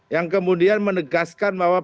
yang kemudian menegaskan bahwa